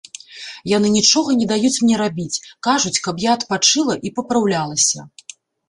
Яны нічога не даюць мне рабіць, кажуць, каб я адпачыла і папраўлялася.